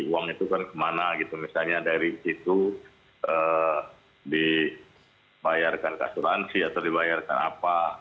uang itu kan kemana gitu misalnya dari situ dibayarkan ke asuransi atau dibayarkan apa